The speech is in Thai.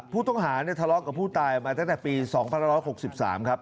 ผู้ต้องหาเนี่ยทะเลาะกับผู้ตายมาตั้งแต่ปี๒๑๖๓ครับ